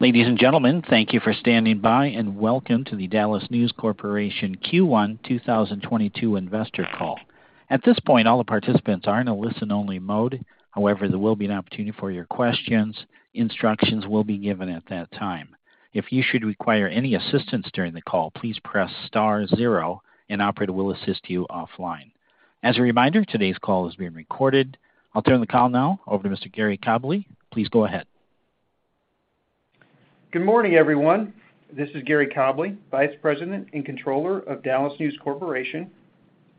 Ladies and gentlemen, thank you for standing by, and welcome to the DallasNews Corporation Q1 2022 Investor Call. At this point, all the participants are in a listen-only mode. However, there will be an opportunity for your questions. Instructions will be given at that time. If you should require any assistance during the call, please press star zero and an operator will assist you offline. As a reminder, today's call is being recorded. I'll turn the call now over to Mr. Gary Cobleigh. Please go ahead. Good morning, everyone. This is Gary Coben, Vice President and Controller of DallasNews Corporation.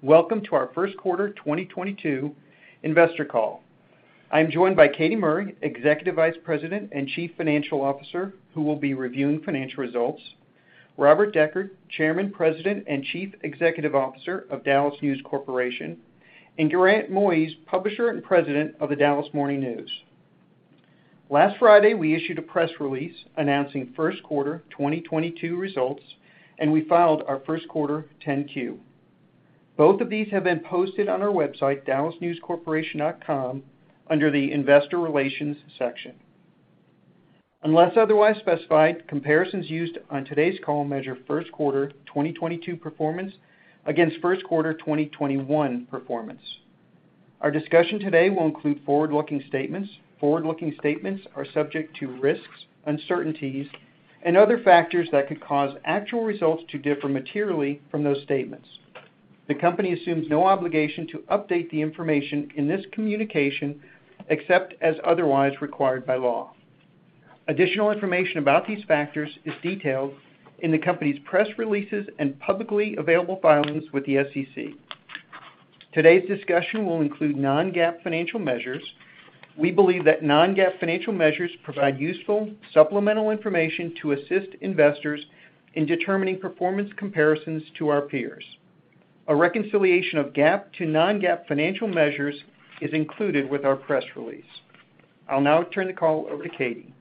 Welcome to our first quarter 2022 investor call. I'm joined by Katy Murray, Executive Vice President and Chief Financial Officer, who will be reviewing financial results, Robert Decherd, Chairman, President, and Chief Executive Officer of DallasNews Corporation, and Grant Moise, Publisher and President of The Dallas Morning News. Last Friday, we issued a press release announcing first quarter 2022 results, and we filed our first quarter 10-Q. Both of these have been posted on our website, dallasnewscorporation.com, under the Investor Relations section. Unless otherwise specified, comparisons used on today's call measure first quarter 2022 performance against first quarter 2021 performance. Our discussion today will include forward-looking statements. Forward-looking statements are subject to risks, uncertainties, and other factors that could cause actual results to differ materially from those statements. The company assumes no obligation to update the information in this communication, except as otherwise required by law. Additional information about these factors is detailed in the company's press releases and publicly available filings with the SEC. Today's discussion will include non-GAAP financial measures. We believe that non-GAAP financial measures provide useful supplemental information to assist investors in determining performance comparisons to our peers. A reconciliation of GAAP to non-GAAP financial measures is included with our press release. I'll now turn the call over to Katy.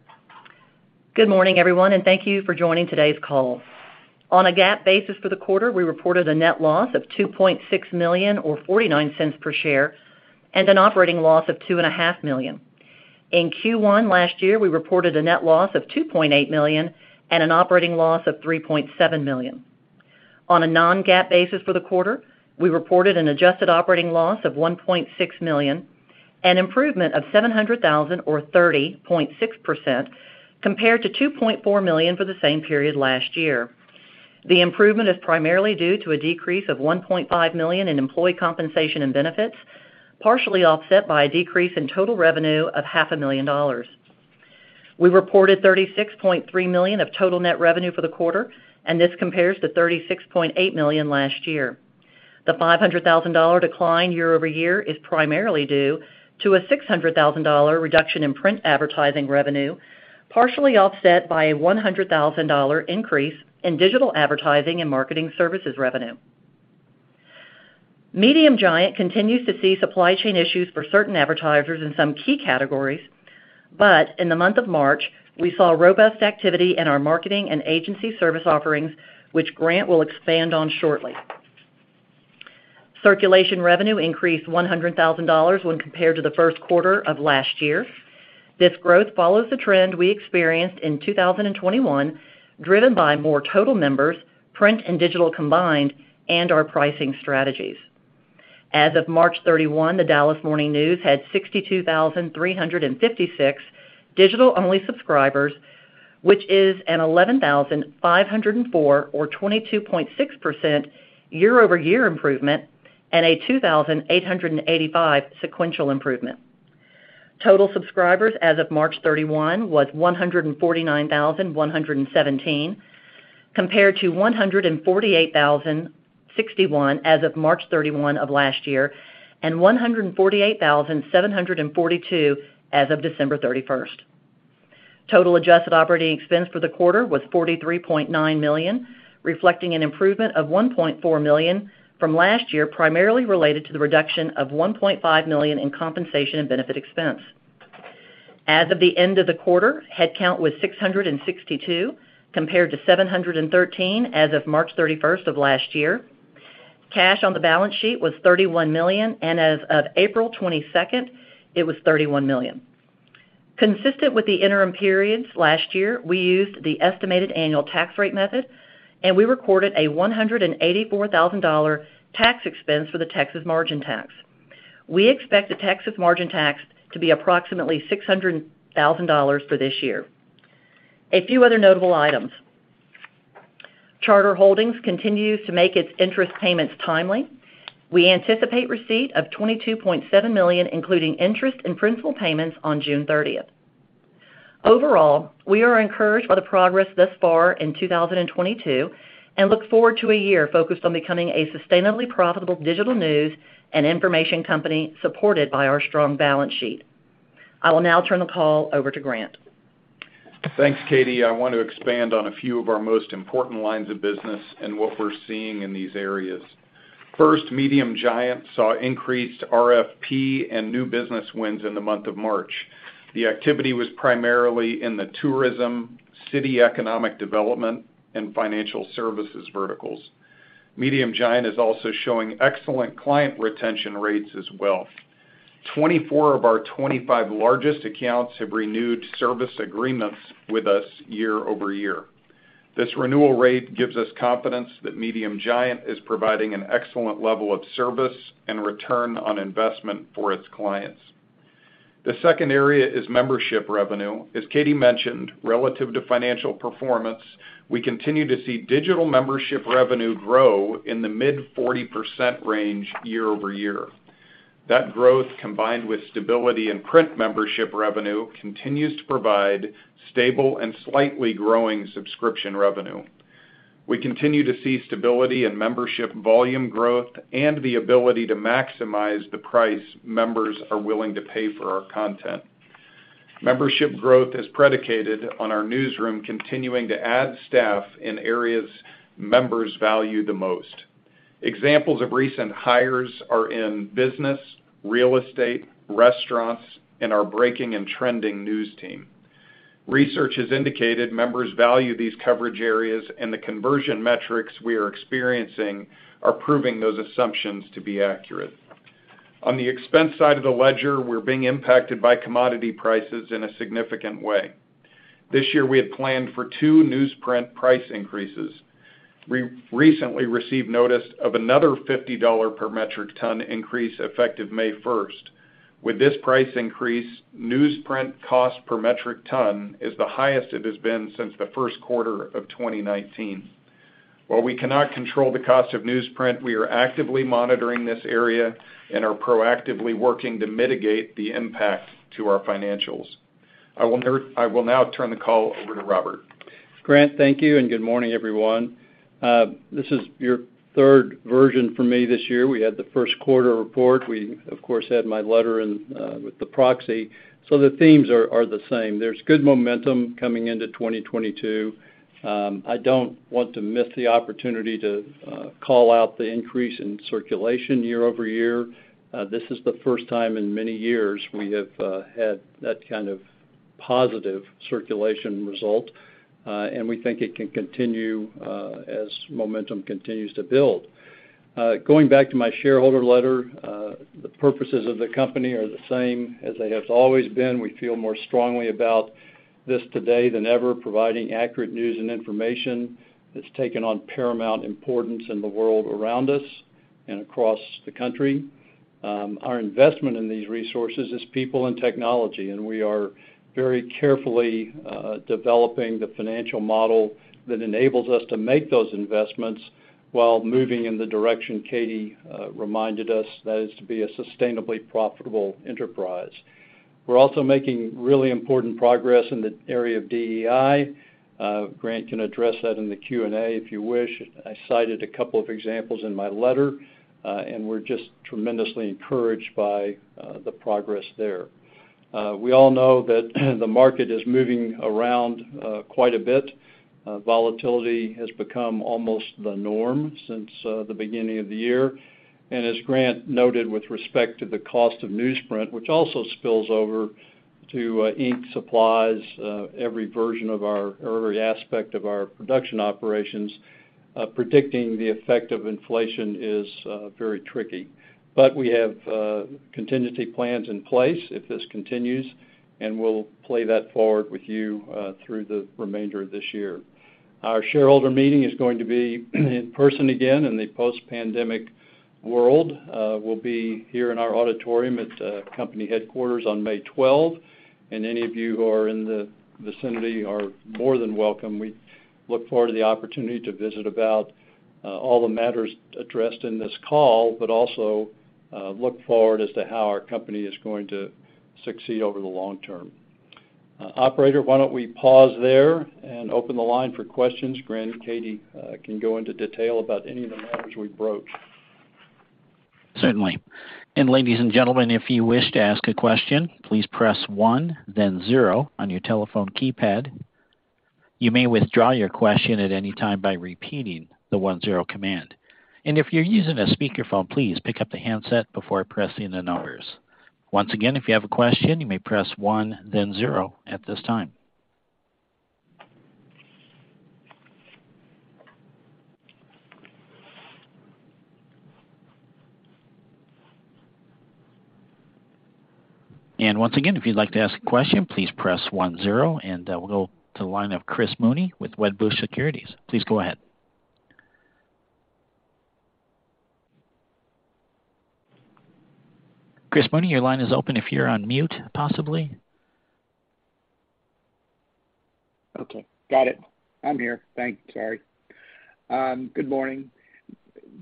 Good morning, everyone, and thank you for joining today's call. On a GAAP basis for the quarter, we reported a net loss of 2.6 million or 0.49 per share and an operating loss of 2.5 million. In Q1 last year, we reported a net loss of 2.8 million and an operating loss of 3.7 million. On a non-GAAP basis for the quarter, we reported an adjusted operating loss of 1.6 million, an improvement of 700,000 or 30.6% compared to 2.4 million for the same period last year. The improvement is primarily due to a decrease of 1.5 million in employee compensation and benefits, partially offset by a decrease in total revenue of half a million dollars. We reported 36.3 million of total net revenue for the quarter, and this compares to 36.8 million last year. The $500,000 decline year-over-year is primarily due to a $600,000 reduction in print advertising revenue, partially offset by a $100,000 increase in digital advertising and marketing services revenue. Medium Giant continues to see supply chain issues for certain advertisers in some key categories, but in the month of March, we saw robust activity in our marketing and agency service offerings, which Grant will expand on shortly. Circulation revenue increased $100,000 when compared to the first quarter of last year. This growth follows the trend we experienced in 2021, driven by more total members, print and digital combined, and our pricing strategies. As of March 31, The Dallas Morning News had 62,356 digital-only subscribers, which is an 11,504 or 22.6% year-over-year improvement and a 2,885 sequential improvement. Total subscribers as of March 31 was 149,117, compared to 148,061 as of March 31 of last year and 148,742 as of December 31. Total adjusted operating expense for the quarter was $43.9 million, reflecting an improvement of 1.4 million from last year, primarily related to the reduction of 1.5 million in compensation and benefit expense. As of the end of the quarter, headcount was 662, compared to 713 as of March 31 of last year. Cash on the balance sheet was $31 million, and as of April 22, it was $31 million. Consistent with the interim periods last year, we used the estimated annual tax rate method, and we recorded a $184,000 tax expense for the Texas margin tax. We expect the Texas margin tax to be approximately $600,000 for this year. A few other notable items. Charter Holdings continues to make its interest payments timely. We anticipate receipt of $22.7 million, including interest and principal payments, on June 30. Overall, we are encouraged by the progress thus far in 2022 and look forward to a year focused on becoming a sustainably profitable digital news and information company supported by our strong balance sheet. I will now turn the call over to Grant. Thanks, Katy. I want to expand on a few of our most important lines of business and what we're seeing in these areas. First, Medium Giant saw increased RFP and new business wins in the month of March. The activity was primarily in the tourism, city economic development, and financial services verticals. Medium Giant is also showing excellent client retention rates as well. 24 of our 25 largest accounts have renewed service agreements with us year-over-year. This renewal rate gives us confidence that Medium Giant is providing an excellent level of service and return on investment for its clients. The second area is membership revenue. As Katy mentioned, relative to financial performance, we continue to see digital membership revenue grow in the mid-40% range year-over-year. That growth, combined with stability in print membership revenue, continues to provide stable and slightly growing subscription revenue. We continue to see stability in membership volume growth and the ability to maximize the price members are willing to pay for our content. Membership growth is predicated on our newsroom continuing to add staff in areas members value the most. Examples of recent hires are in business, real estate, restaurants, and our breaking and trending news team. Research has indicated members value these coverage areas, and the conversion metrics we are experiencing are proving those assumptions to be accurate. On the expense side of the ledger, we're being impacted by commodity prices in a significant way. This year, we had planned for two newsprint price increases. We recently received notice of another $50 per metric ton increase effective May 1. With this price increase, newsprint cost per metric ton is the highest it has been since the first quarter of 2019. While we cannot control the cost of newsprint, we are actively monitoring this area and are proactively working to mitigate the impact to our financials. I will now turn the call over to Robert. Grant, thank you, and good morning, everyone. This is your third version from me this year. We had the first quarter report. We, of course, had my letter in with the proxy. The themes are the same. There's good momentum coming into 2022. I don't want to miss the opportunity to call out the increase in circulation year-over-year. This is the first time in many years we have had that kind of positive circulation result, and we think it can continue as momentum continues to build. Going back to my shareholder letter, the purposes of the company are the same as they have always been. We feel more strongly about this today than ever, providing accurate news and information that's taken on paramount importance in the world around us and across the country. Our investment in these resources is people and technology, and we are very carefully developing the financial model that enables us to make those investments while moving in the direction Katy reminded us, that is to be a sustainably profitable enterprise. We're also making really important progress in the area of DEI. Grant can address that in the Q&A if you wish. I cited a couple of examples in my letter, and we're just tremendously encouraged by the progress there. We all know that the market is moving around quite a bit. Volatility has become almost the norm since the beginning of the year. As Grant noted, with respect to the cost of newsprint, which also spills over to ink supplies, every aspect of our production operations, predicting the effect of inflation is very tricky. We have contingency plans in place if this continues, and we'll play that forward with you through the remainder of this year. Our shareholder meeting is going to be in person again in the post-pandemic world. We'll be here in our auditorium at company headquarters on May 12, and any of you who are in the vicinity are more than welcome. We look forward to the opportunity to visit about all the matters addressed in this call, but also look forward as to how our company is going to succeed over the long term. Operator, why don't we pause there and open the line for questions? Grant and Katy can go into detail about any of the matters we broached. Certainly. Ladies and gentlemen, if you wish to ask a question, please press one then zero on your telephone keypad. You may withdraw your question at any time by repeating the one-zero command. If you're using a speakerphone, please pick up the handset before pressing the numbers. Once again, if you have a question, you may press one then zero at this time. Once again, if you'd like to ask a question, please press one-zero, and we'll go to the line of Chris Mooney with Wedbush Securities. Please go ahead. Chris Mooney, your line is open if you're on mute, possibly. Okay. Got it. I'm here. Thanks, Terry. Good morning.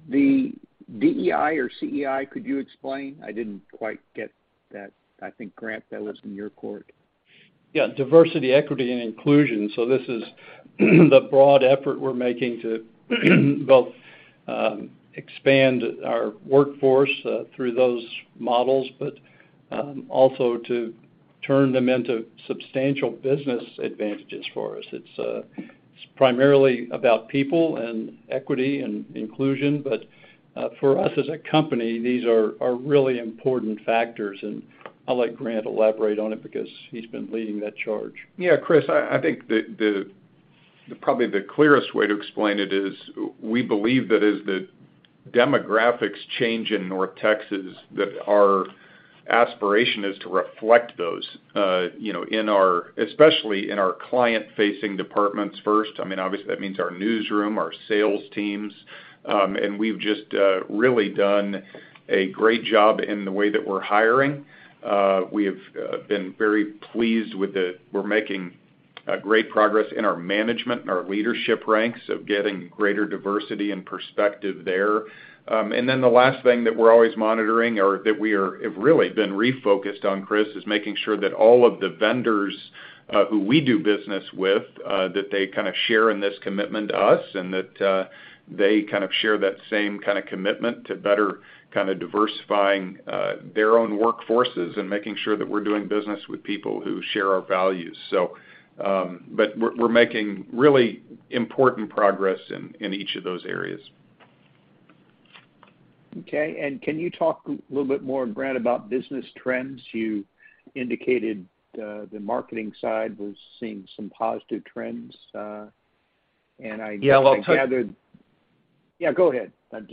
The DEI or CEI, could you explain? I didn't quite get that. I think, Grant, that was in your court. Yeah, diversity, equity, and inclusion. This is the broad effort we're making to both expand our workforce through those models, but also to turn them into substantial business advantages for us. It's primarily about people and equity and inclusion. For us as a company, these are really important factors, and I'll let Grant elaborate on it because he's been leading that charge. Yeah, Chris, I think probably the clearest way to explain it is we believe that as the demographics change in North Texas, that our aspiration is to reflect those in our especially in our client-facing departments first. I mean, obviously, that means our newsroom, our sales teams. We've just really done a great job in the way that we're hiring. We're making great progress in our management and our leadership ranks of getting greater diversity and perspective there. Then the last thing that we're always monitoring or have really been refocused on, Chris, is making sure that all of the vendors who we do business with that they kind of share in this commitment to us and that they kind of share that same kind of commitment to better kind of diversifying their own workforces and making sure that we're doing business with people who share our values. We're making really important progress in each of those areas. Okay. Can you talk a little bit more, Grant, about business trends? You indicated, the marketing side was seeing some positive trends, and I- Yeah, well. Yeah, go ahead. That's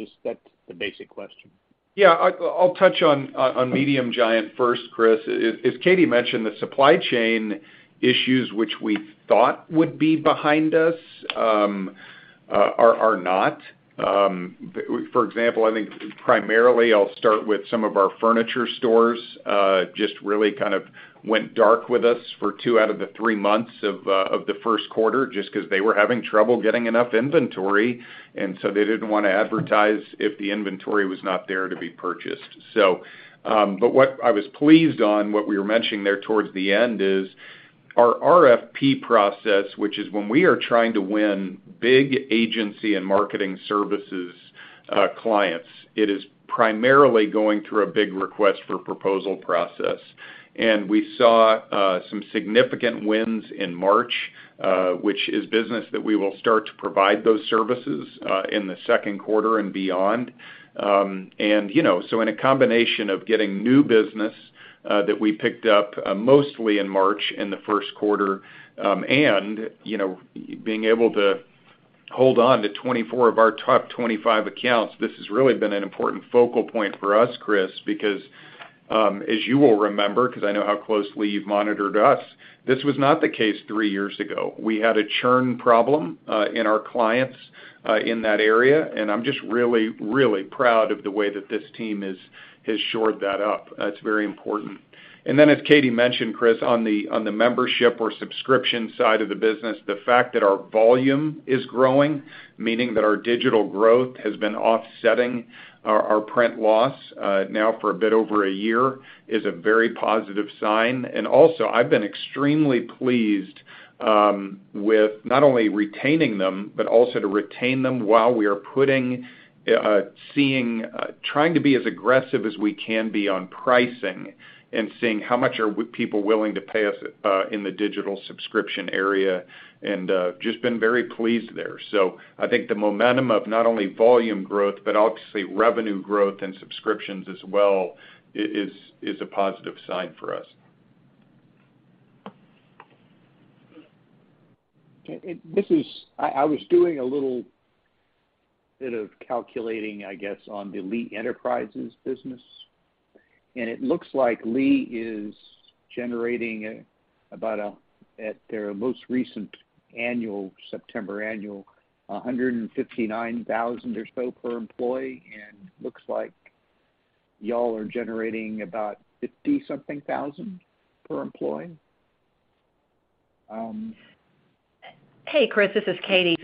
the basic question. Yeah. I'll touch on Medium Giant first, Chris. As Katy mentioned, the supply chain issues which we thought would be behind us are not. For example, I think primarily I'll start with some of our furniture stores, just really kind of went dark with us for two out of the three months of the first quarter just 'cause they were having trouble getting enough inventory, and so they didn't wanna advertise if the inventory was not there to be purchased. What I was pleased on, what we were mentioning there towards the end is our RFP process, which is when we are trying to win big agency and marketing services clients, it is primarily going through a big request for proposal process. We saw some significant wins in March, which is business that we will start to provide those services in the second quarter and beyond. You know, so in a combination of getting new business that we picked up, mostly in March in the first quarter, and, you know, being able to hold on to 24 of our top 25 accounts, this has really been an important focal point for us, Chris, because, as you will remember, 'cause I know how closely you've monitored us, this was not the case three years ago. We had a churn problem in our clients in that area, and I'm just really proud of the way that this team has shored that up. It's very important. Then as Katy mentioned, Chris, on the membership or subscription side of the business, the fact that our volume is growing, meaning that our digital growth has been offsetting our print loss now for a bit over a year, is a very positive sign. Also, I've been extremely pleased with not only retaining them, but also to retain them while we are trying to be as aggressive as we can be on pricing and seeing how much are people willing to pay us in the digital subscription area, and just been very pleased there. I think the momentum of not only volume growth, but obviously revenue growth and subscriptions as well is a positive sign for us. Okay. I was doing a little bit of calculating, I guess, on the Lee Enterprises business, and it looks like Lee is generating about, at their most recent annual, September annual, 159,000 or so per employee, and it looks like y'all are generating about 50-something thousand per employee. Hey, Chris, this is Katy.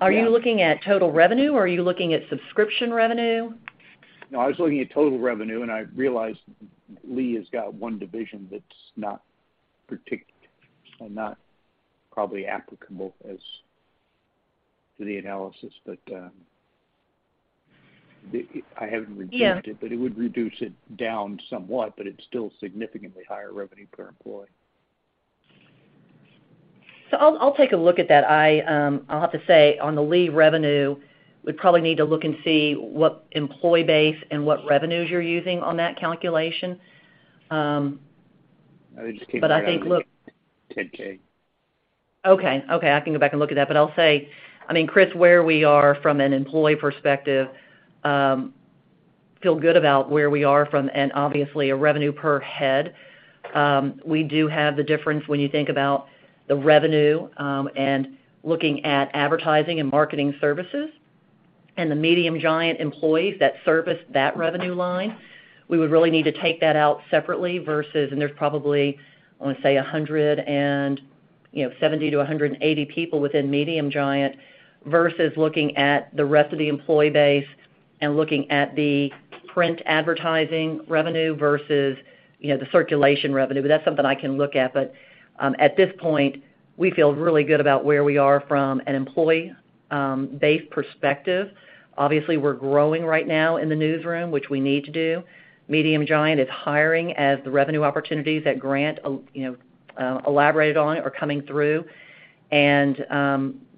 Are you looking at total revenue, or are you looking at subscription revenue? No, I was looking at total revenue, and I realized Lee has got one division that's not probably applicable as to the analysis. I haven't rejected- Yeah. it would reduce it down somewhat, but it's still significantly higher revenue per employee. I'll take a look at that. I'll have to say, on the Lee revenue, we probably need to look and see what employee base and what revenues you're using on that calculation. But I think. I was just thinking around 10K. Okay. Okay, I can go back and look at that. I'll say, I mean, Chris, where we are from an employee perspective, feel good about where we are from and obviously a revenue per head. We do have the difference when you think about the revenue, and looking at advertising and marketing services and the Medium Giant employees that service that revenue line. We would really need to take that out separately versus, and there's probably, I wanna say, 170-180 people within Medium Giant, versus looking at the rest of the employee base and looking at the print advertising revenue versus, you know, the circulation revenue. That's something I can look at, but at this point, we feel really good about where we are from an employee base perspective. Obviously, we're growing right now in the newsroom, which we need to do. Medium Giant is hiring as the revenue opportunities that Grant you know elaborated on are coming through and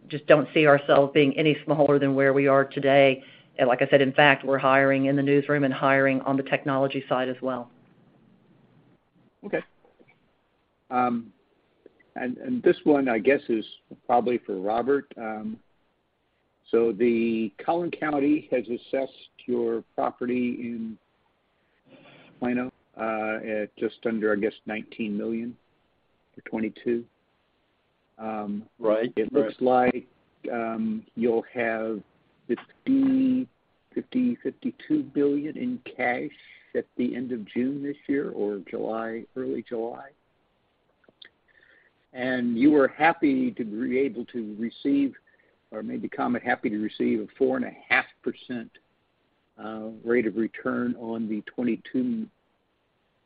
just don't see ourselves being any smaller than where we are today. Like I said, in fact, we're hiring in the newsroom and hiring on the technology side as well. Okay. This one, I guess, is probably for Robert. The Collin County has assessed your property in Plano at just under, I guess, $19 million for 2022. Right. It looks like you'll have 52 million in cash at the end of June this year or July, early July. You were happy to receive a 4.5% rate of return on the 22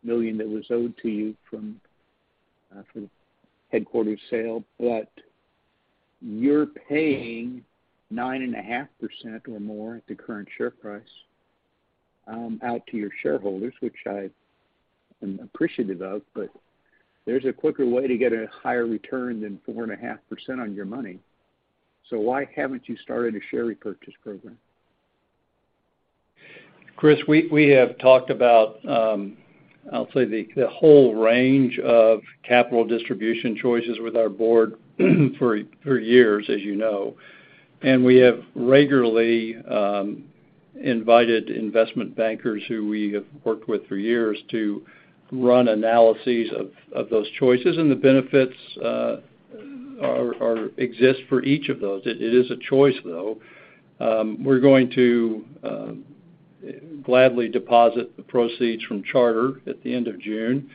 million that was owed to you from the headquarters sale. You're paying 9.5% or more at the current share price out to your shareholders, which I am appreciative of, but there's a quicker way to get a higher return than 4.5% on your money. Why haven't you started a share repurchase program? Chris, we have talked about, I'll say the whole range of capital distribution choices with our board for years, as you know, and we have regularly invited investment bankers who we have worked with for years to run analyses of those choices, and the benefits exist for each of those. It is a choice, though. We're going to gladly deposit the proceeds from Charter at the end of June.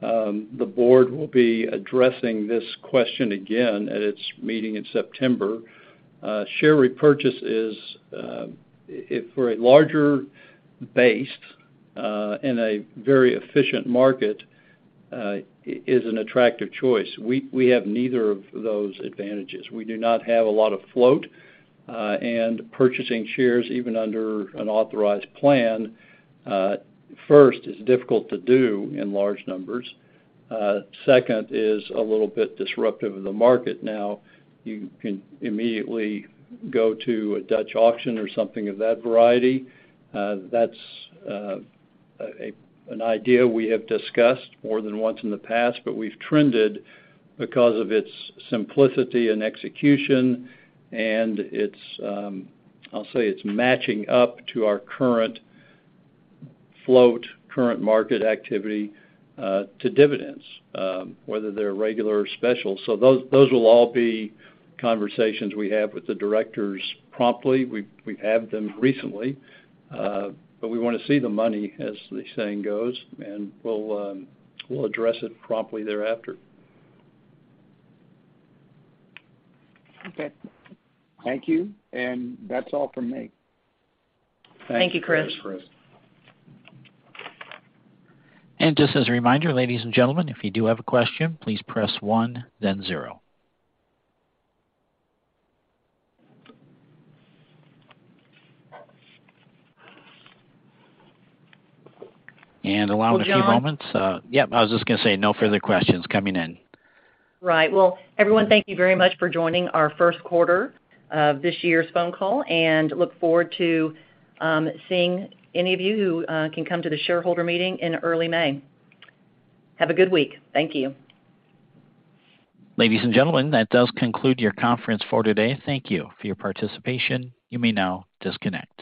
The board will be addressing this question again at its meeting in September. Share repurchase is, if we're a larger base in a very efficient market, an attractive choice. We have neither of those advantages. We do not have a lot of float, and purchasing shares even under an authorized plan first is difficult to do in large numbers. Second is a little bit disruptive of the market. You can immediately go to a Dutch auction or something of that variety. That's an idea we have discussed more than once in the past, but we've trended because of its simplicity and execution and its, I'll say, it's matching up to our current float, current market activity, to dividends, whether they're regular or special. Those will all be conversations we have with the directors promptly. We've had them recently, but we wanna see the money, as the saying goes, and we'll address it promptly thereafter. Okay. Thank you. That's all from me. Thank you, Chris. Thanks. Thanks, Chris. Just as a reminder, ladies and gentlemen, if you do have a question, please press one then zero. Allow a few moments. Well, John? Yep, I was just gonna say, no further questions coming in. Right. Well, everyone, thank you very much for joining our first quarter of this year's phone call and we look forward to seeing any of you who can come to the shareholder meeting in early May. Have a good week. Thank you. Ladies and gentlemen, that does conclude your conference for today. Thank you for your participation. You may now disconnect.